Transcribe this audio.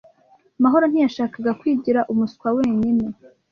Mahoro ntiyashakaga kwigira umuswa wenyine.